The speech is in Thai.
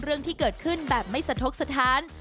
เรื่องที่เกิดขึ้นแบบไม่สะทกสถาน